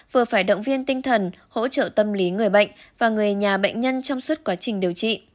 vừa phải động viên tinh thần hỗ trợ tâm lý người bệnh và người nhà bệnh nhân trong suốt quá trình điều trị